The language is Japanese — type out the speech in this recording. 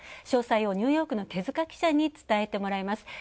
詳細をニューヨークの手塚記者に伝えてもらいます。